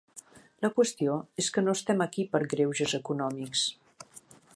La qüestió és que no estem aquí per greuges econòmics.